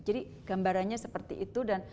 jadi gambarannya seperti itu dan